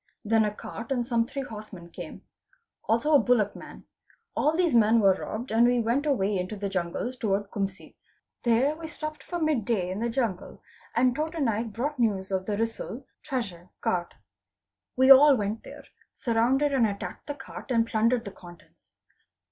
Then a cart and some three horsemen came ; also a bullock man: all these men were robbed, and we went away into the jungles towards Kumsi. There we stopped for mid day in the jungle and 'Tota Naik brought news of the risal (treasure) cart. We all went there, surrounded and attacked the cart and plundered the contents.